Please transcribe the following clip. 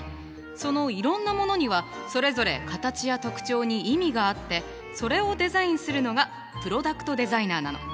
そのいろんなモノにはそれぞれ形や特徴に意味があってそれをデザインするのがプロダクトデザイナーなの。